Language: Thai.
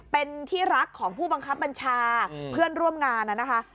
เป็นที่รักของผู้บังคับบัญชาเพื่อนร่วมงานนะคะ